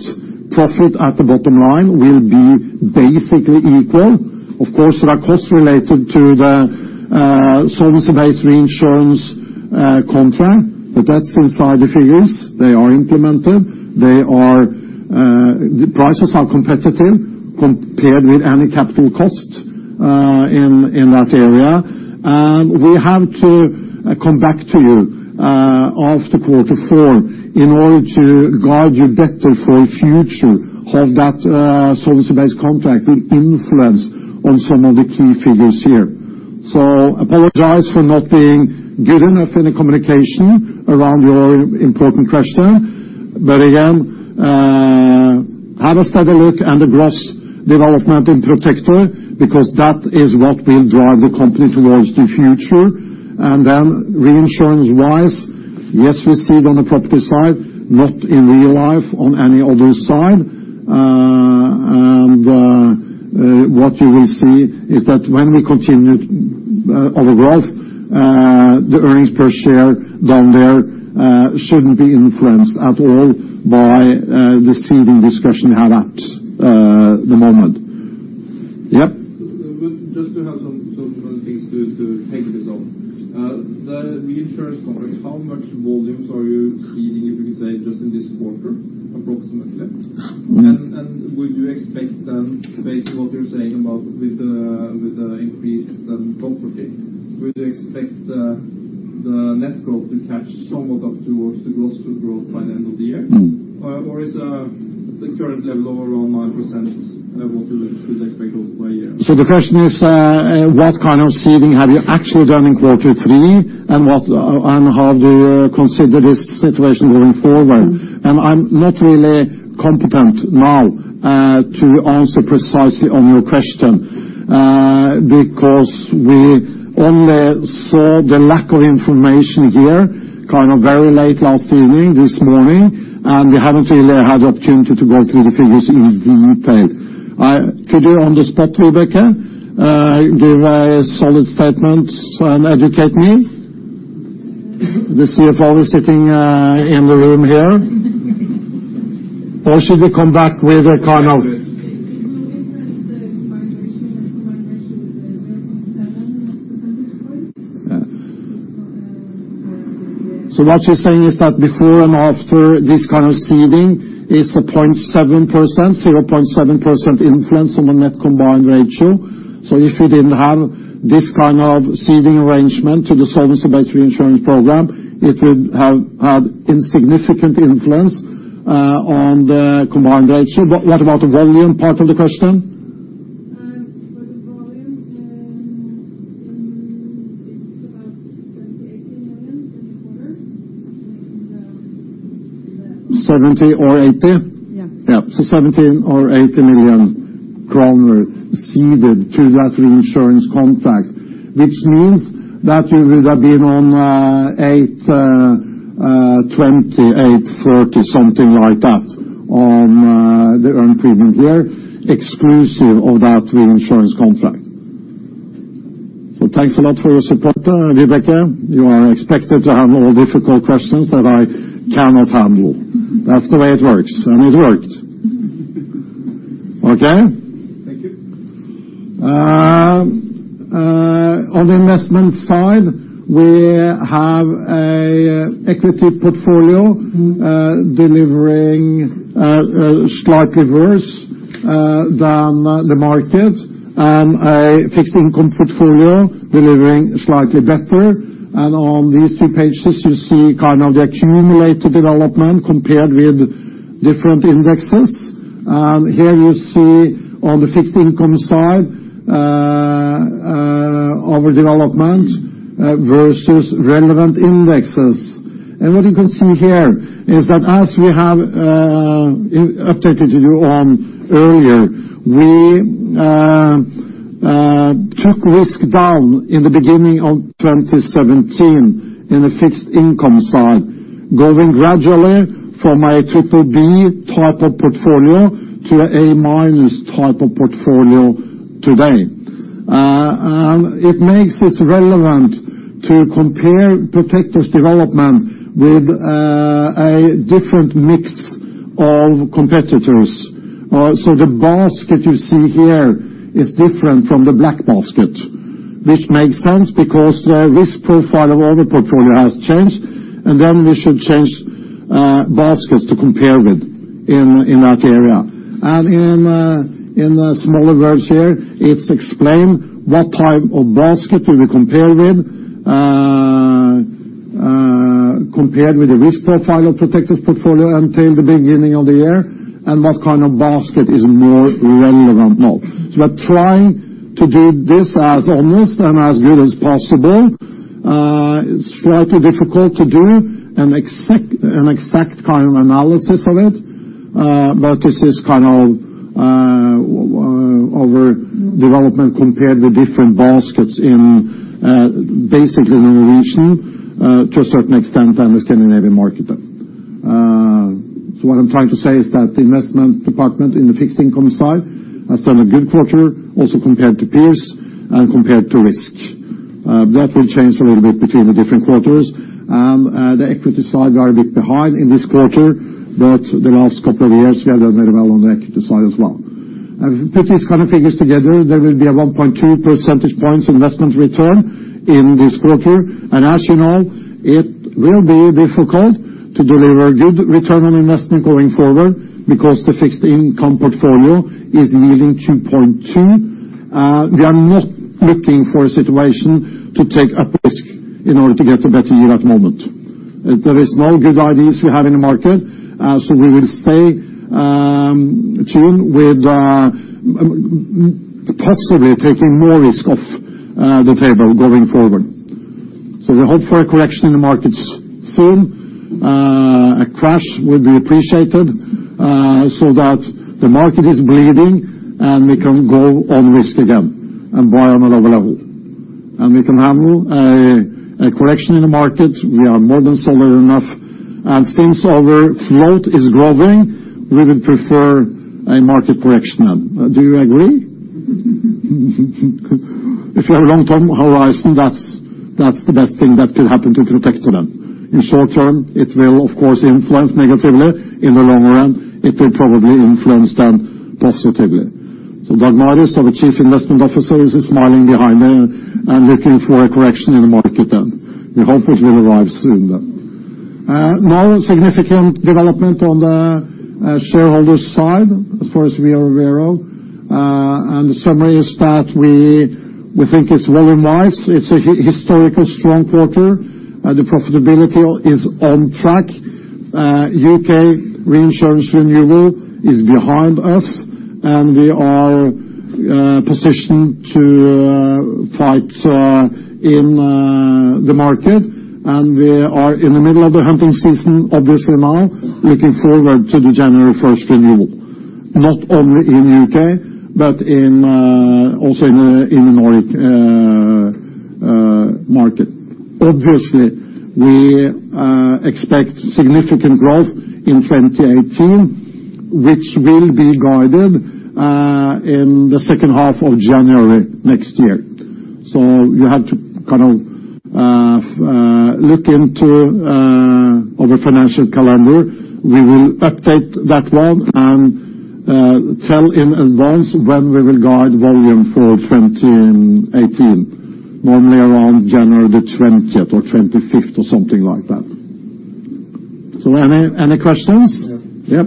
profit at the bottom line will be basically equal. Of course, there are costs related to the service-based reinsurance contract, but that's inside the figures. They are implemented. The prices are competitive compared with any capital cost in that area. We have to come back to you after quarter four in order to guide you better for a future how that service-based contract will influence on some of the key figures here. Apologize for not being good enough in the communication around your important question. Have a steady look at the gross development in Protector Forsikring, because that is what will drive the company towards the future. Reinsurance-wise, yes, we cede on the property side, not in real life on any other side. What you will see is that when we continue our growth, the earnings per share down there shouldn't be influenced at all by the ceding discussion we have at the moment. Yep. Just to have some things to take this on. The reinsurance contract, how much volumes are you ceding, if you could say, just in this quarter, approximately? Would you expect then, based on what you're saying about with the increase then property, would you expect the net growth to catch somewhat up towards the gross growth by the end of the year? Is the current level of around 9% level what we should expect over by year? The question is, what kind of ceding have you actually done in quarter three, and how do you consider this situation going forward? I'm not really competent now to answer precisely on your question. We only saw the lack of information here, kind of very late last evening, this morning, and we haven't really had the opportunity to go through the figures in detail. Could you, on the spot, Vibeke, give a solid statement and educate me? The CFO is sitting in the room here. It will influence the combined ratio and combined ratio with 0.7 percentage points. Yeah. What she's saying is that before and after this kind of ceding, it's a 0.7% influence on the net combined ratio. If you didn't have this kind of ceding arrangement to the Solvency about reinsurance program, it would have had insignificant influence on the combined ratio. What about the volume part of the question? For the volume, it's about NOK 70 million, NOK 80 million in the quarter. 70 or 80? Yeah. Yeah. 70 million or 80 million kroner ceded to that reinsurance contract, which means that you would have been on 820, 830, something like that, on the earned premium there, exclusive of that reinsurance contract. Thanks a lot for your support there, Vibeke. You are expected to handle all difficult questions that I cannot handle. That's the way it works, and it worked. Okay? Thank you. On the investment side, we have an equity portfolio delivering slightly worse than the market, and a fixed income portfolio delivering slightly better. On these two pages you see kind of the accumulated development compared with different indexes. Here you see on the fixed income side, our development versus relevant indexes. What you can see here is that as we have updated you on earlier, we took risk down in the beginning of 2017 in the fixed income side, going gradually from a BBB+ type of portfolio to an A- type of portfolio today. It makes this relevant to compare Protector's development with a different mix of competitors. The basket you see here is different from the black basket, which makes sense because the risk profile of our portfolio has changed, and then we should change baskets to compare with in that area. In the smaller words here, it's explained what type of basket we will compare with, compared with the risk profile of Protector's portfolio until the beginning of the year, and what kind of basket is more relevant now. We are trying to do this as honest and as good as possible. It's slightly difficult to do an exact kind of analysis of it. This is kind of our development compared with different baskets in basically the region, to a certain extent, and the Scandinavian market. What I'm trying to say is that the investment department in the fixed income side has done a good quarter, also compared to peers and compared to risk. That will change a little bit between the different quarters. The equity side got a bit behind in this quarter. The last couple of years, we have done very well on the equity side as well. Put these kind of figures together, there will be a 1.2 percentage points investment return in this quarter. And as you know, it will be difficult to deliver good return on investment going forward because the fixed income portfolio is yielding 2.2%. We are not looking for a situation to take a risk in order to get a better yield at the moment. There is no good ideas we have in the market, so we will stay tuned with possibly taking more risk off the table going forward. We hope for a correction in the markets soon. A crash would be appreciated so that the market is bleeding and we can go on risk again and buy on a lower level. And we can handle a correction in the market. We are more than solid enough. Since our float is growing, we would prefer a market correction. Do you agree? If you have long-term horizon, that's the best thing that could happen to Protector then. In short term, it will, of course, influence negatively. In the longer run, it will probably influence them positively. Dag Marius, our Chief Investment Officer, is smiling behind me and looking for a correction in the market then. We hope it will arrive soon then. No significant development on the shareholders' side as far as we are aware of. The summary is that we think it's volume wise. It's a historically strong quarter. The profitability is on track. U.K. reinsurance renewal is behind us, and we are positioned to fight in the market. We are in the middle of the hunting season, obviously now, looking forward to the January 1st renewal, not only in U.K., but also in the Nordic market. Obviously, we expect significant growth in 2018, which will be guided in the second half of January next year. You have to look into our financial calendar. We will update that one and tell in advance when we will guide volume for 2018, normally around January the 20th or 25th or something like that. Any questions? Yeah. Yep.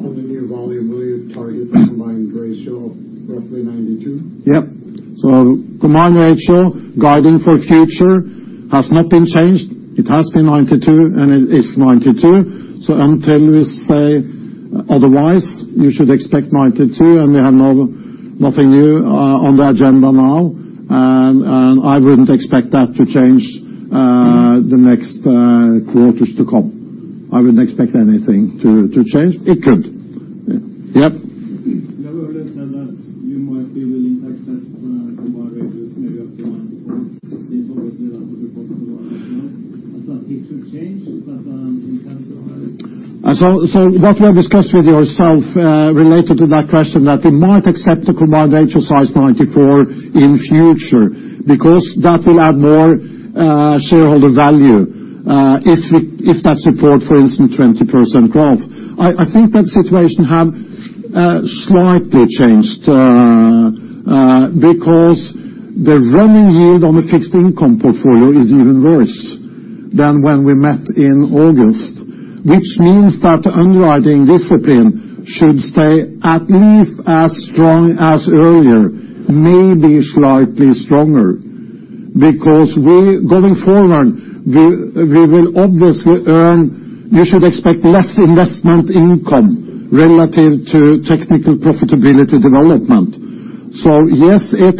On the new volume, will you target the combined ratio of roughly 92%? Yep. Combined ratio guiding for future has not been changed. It has been 92, and it is 92. Until we say otherwise, you should expect 92, and we have nothing new on the agenda now. I wouldn't expect that to change the next quarters to come. I wouldn't expect anything to change. It could. Yep. You have earlier said that you might be willing to accept a combined ratio of maybe up to 94. It's obviously up to the board to decide. Has that picture changed? Has that intensity- What we have discussed with yourself related to that question, that we might accept a combined ratio size 94 in future because that will add more shareholder value, if that support for instance 20% growth. I think that situation has slightly changed, because the running yield on the fixed income portfolio is even worse than when we met in August, which means that underwriting discipline should stay at least as strong as earlier, maybe slightly stronger. Going forward, we will obviously earn You should expect less investment income relative to technical profitability development. Yes, it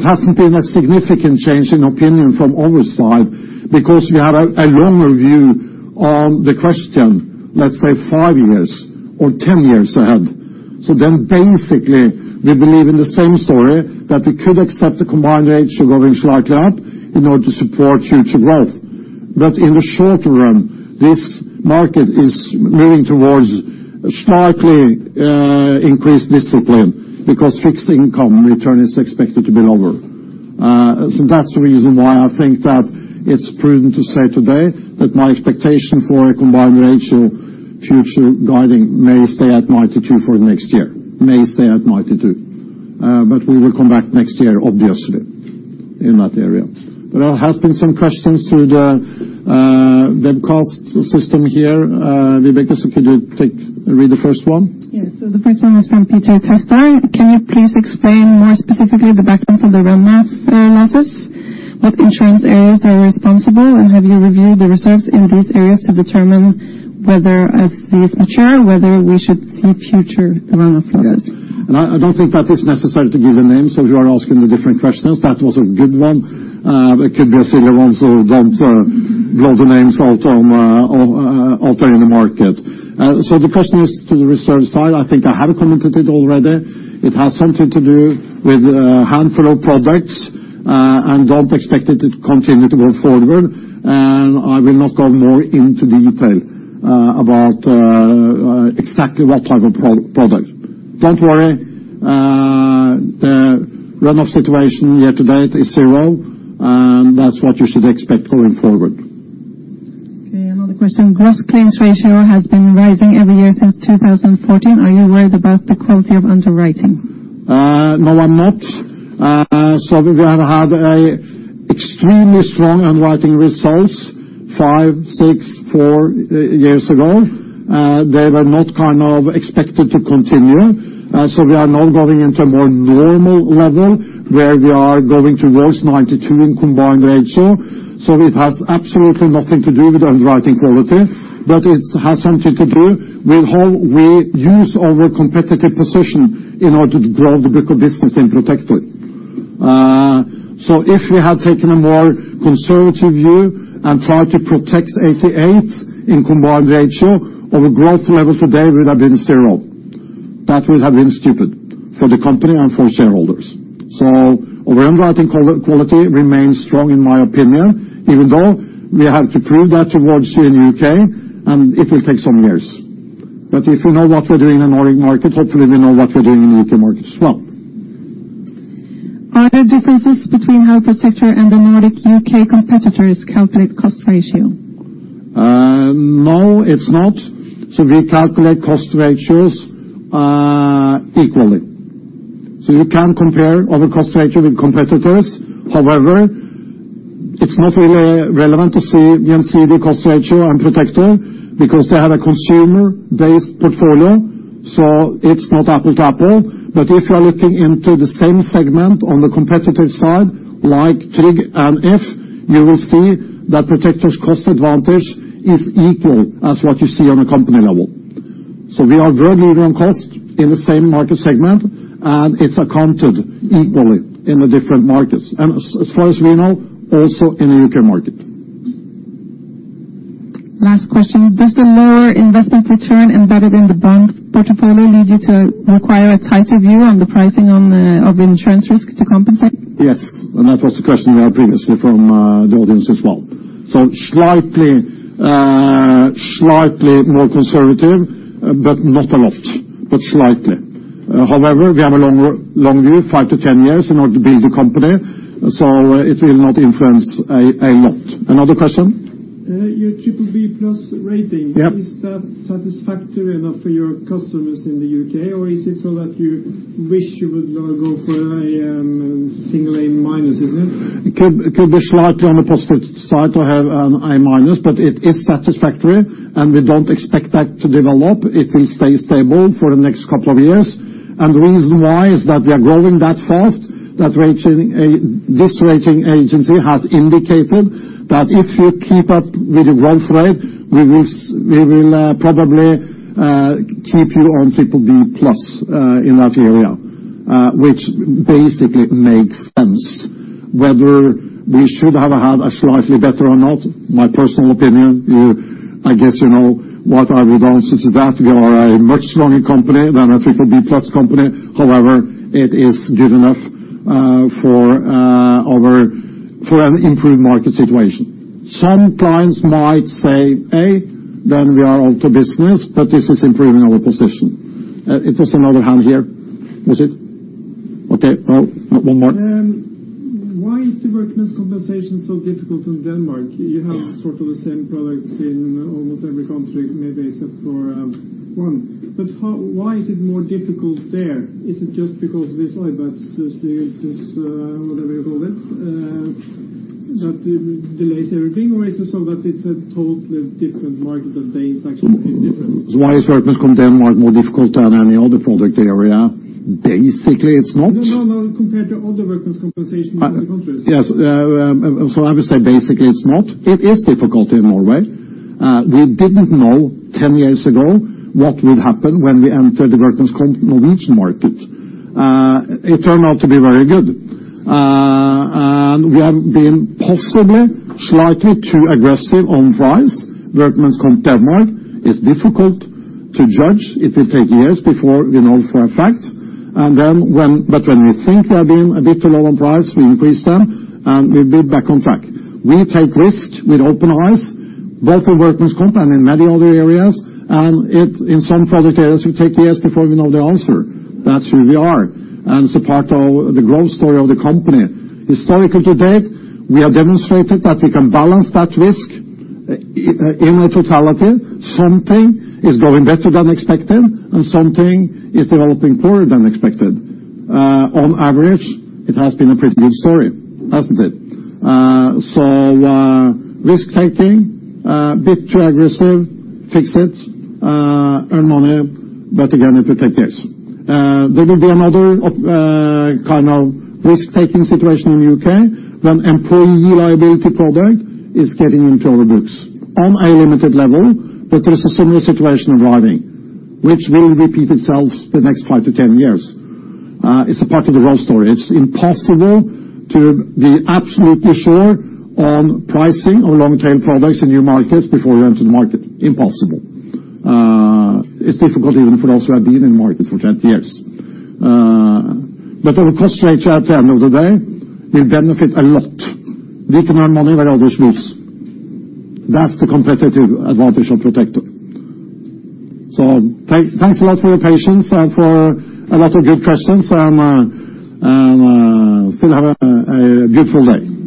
hasn't been a significant change in opinion from our side, because we have a longer view on the question, let's say five years or 10 years ahead. Basically, we believe in the same story, that we could accept a combined ratio going slightly up in order to support future growth. In the short run, this market is moving towards slightly increased discipline because fixed income return is expected to be lower. That's the reason why I think that it's prudent to say today that my expectation for a combined ratio future guiding may stay at 92 for the next year. May stay at 92. We will come back next year, obviously, in that area. There has been some questions through the webcast system here. Vibeke, could you read the first one? Yes. The first one is from Peter Testar. "Can you please explain more specifically the background for the runoff losses? What insurance areas are responsible, and have you reviewed the reserves in these areas to determine whether, as these mature, whether we should see future runoff losses? Yes. I don't think that is necessary to give a name. If you are asking the different questions, that was a good one. It could be a silly one. Don't blow the names out there in the market. The question is to the reserve side. I think I have commented it already. It has something to do with a handful of products. Don't expect it to continue to go forward. I will not go more into detail about exactly what type of product. Don't worry. The runoff situation year to date is zero, and that's what you should expect going forward. Okay, another question. "Gross claims ratio has been rising every year since 2014. Are you worried about the quality of underwriting? No, I'm not. We have had extremely strong underwriting results five, six, four years ago. They were not expected to continue. We are now going into a more normal level, where we are going towards 92 in combined ratio. It has absolutely nothing to do with underwriting quality, but it has something to do with how we use our competitive position in order to grow the book of business in Protector. If we had taken a more conservative view and tried to protect 88 in combined ratio, our growth level today would have been zero. That would have been stupid for the company and for shareholders. Overall, I think quality remains strong in my opinion, even though we have to prove that towards in U.K., and it will take some years. If we know what we're doing in the Nordic market, hopefully we know what we're doing in the U.K. market as well. Are there differences between how Protector and the Nordic U.K. competitors calculate cost ratio? No, it's not. We calculate cost ratios equally. You can compare our cost ratio with competitors. However, it's not really relevant to see the [NC] cost ratio and Protector because they have a consumer-based portfolio, so it's not apple to apple. If you are looking into the same segment on the competitor side, like Tryg and If, you will see that Protector's cost advantage is equal as what you see on a company level. We are very good on cost in the same market segment, and it's accounted equally in the different markets. As far as we know, also in the U.K. market. Last question. Does the lower investment return embedded in the bond portfolio lead you to require a tighter view on the pricing of insurance risk to compensate? Yes. That was the question we had previously from the audience as well. Slightly more conservative, but not a lot, but slightly. However, we have a long view, 5-10 years in order to build the company, it will not influence a lot. Another question. Your BBB+ rating. Yep. Is that satisfactory enough for your customers in the U.K.? Is it so that you wish you would go for a single A-, isn't it? Could be slightly on the positive side to have an A-, it is satisfactory, we don't expect that to develop. It will stay stable for the next couple of years. The reason why is that we are growing that fast that this rating agency has indicated that if you keep up with the growth rate, we will probably keep you on BBB+ in that area, which basically makes sense. Whether we should have a slightly better or not, my personal opinion, I guess you know what I would answer to that. We are a much stronger company than a BBB+ company. However, it is good enough for an improved market situation. Some clients might say, hey, then we are out of business, this is improving our position. It was another hand here. Was it? Okay, well, one more. Why is the Workers' Comp so difficult in Denmark? You have sort of the same products in almost every country, maybe except for one. Why is it more difficult there? Is it just because of these whatever you call it, that delays everything? Or is it so that it's a totally different market that they actually think different? Why is Workers' Comp Denmark more difficult than any other product area? Basically, it's not. No, no. Compared to other Workers' Comp in other countries. Yes. I would say basically it's not. It is difficult in Norway. We didn't know 10 years ago what would happen when we entered the Workers' Comp Norwegian market. It turned out to be very good. We have been possibly slightly too aggressive on price. Workers' Comp Denmark is difficult to judge. It will take years before we know for a fact. Then when, but when we think we have been a bit too low on price, we increase them, and we'll be back on track. We take risk with open eyes, both in Workers' Comp and in many other areas. In some product areas, it take years before we know the answer. That's who we are. It's a part of the growth story of the company. Historically to date, we have demonstrated that we can balance that risk in a totality. Something is going better than expected and something is developing poorer than expected. On average, it has been a pretty good story, hasn't it? Risk-taking, bit too aggressive, fix it, earn money, again, it will take years. There will be another kind of risk-taking situation in the U.K. when employers' liability product is getting into our books on a limited level. There is a similar situation arriving, which will repeat itself the next 5-10 years. It's a part of the growth story. It's impossible to be absolutely sure on pricing or long tail products in new markets before you enter the market. Impossible. It's difficult even for those who have been in the market for 30 years. Our cost ratio at the end of the day will benefit a lot. We can earn money where others lose. That's the competitive advantage of Protector. Thanks a lot for your patience and for a lot of good questions and still have a beautiful day.